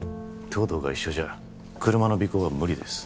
東堂が一緒じゃ車の尾行は無理です